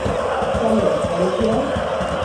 চলো, অ্যালিসিয়া।